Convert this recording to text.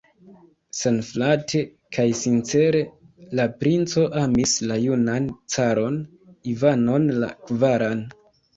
Senflate kaj sincere la princo amis la junan caron Ivanon la kvaran.